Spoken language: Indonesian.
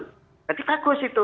berarti bagus itu